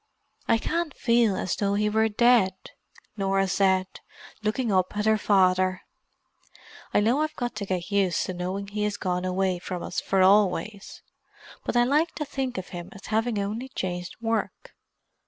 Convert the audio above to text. "I can't feel as though he were dead," Norah said, looking up at her father. "I know I've got to get used to knowing he has gone away from us for always. But I like to think of him as having only changed work.